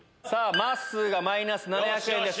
まっすーがマイナス７００円です